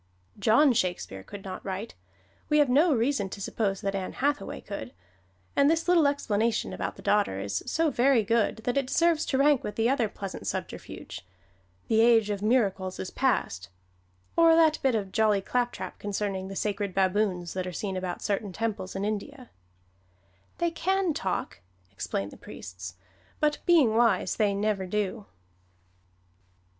John Shakespeare could not write, we have no reason to suppose that Ann Hathaway could, and this little explanation about the daughter is so very good that it deserves to rank with that other pleasant subterfuge, "The age of miracles is past"; or that bit of jolly claptrap concerning the sacred baboons that are seen about certain temples in India: "They can talk," explain the priests, "but being wise they never do."